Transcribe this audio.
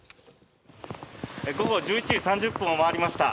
午後１１時３０分を回りました。